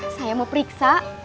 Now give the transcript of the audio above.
saya mau periksa